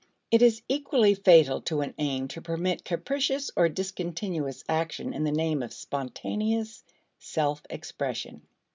It is equally fatal to an aim to permit capricious or discontinuous action in the name of spontaneous self expression.